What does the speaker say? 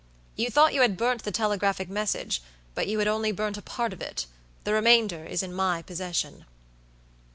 You thought you had burnt the telegraphic message, but you had only burnt a part of itthe remainder is in my possession."